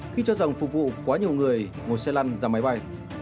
khi cho rằng phục vụ quá nhiều người ngồi xe lăn ra máy bay